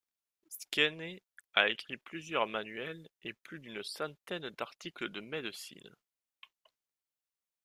Skene a écrit plusieurs manuels et plus d’une centaine d’articles de médecine.